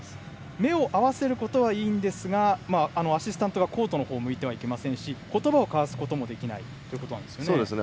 目を合わせることはいいんですがアシスタントがコートを向いてはいけませんし言葉を交わすこともできないということなんですよね。